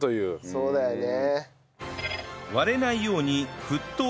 そうだね。